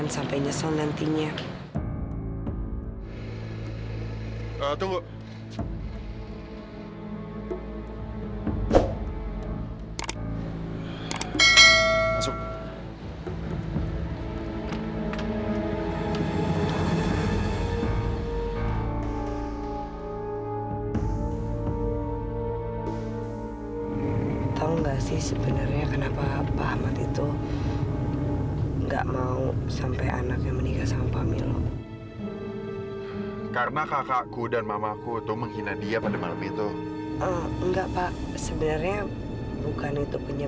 sampai jumpa di video selanjutnya